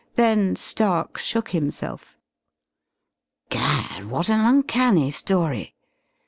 Then Stark shook himself. "Gad, what an uncanny story!